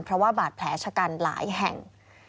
เพราะว่าบาดแผลชะกันหลายแห่ง